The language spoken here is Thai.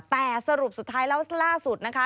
แต่สรุปสุดท้ายแล้วล่าสุดนะคะ